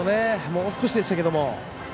もう少しでしたけども。